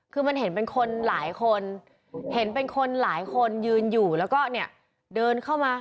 คือมันเห็นเป็นคนหลายคนเห็นเป็นคนหลายคนยืนอยู่แล้วก็เนี่ยเดินเข้ามา